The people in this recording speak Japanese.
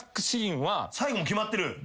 最後決まってる？